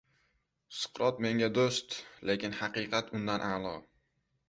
Suqrot menga do‘st, lekin haqiqat undan a’lo.